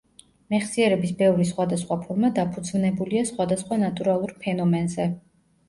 მეხსიერების ბევრი სხვადასხვა ფორმა დაფუძვნებულია სხვადასხვა ნატურალური ფენომენზე.